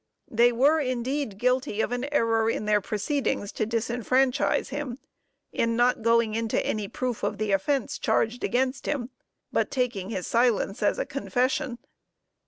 They were indeed guilty of an error in their proceedings to disfranchise him, in not going into any proof of the offence charged against him, but taking his silence as a confession.